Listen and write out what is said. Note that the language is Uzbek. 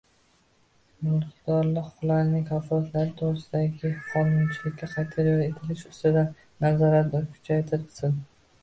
mulkdorlar huquqlarining kafolatlari to‘g‘risidagi qonunchilikka qat’iy rioya etilishi ustidan nazoratni kuchaytirsin.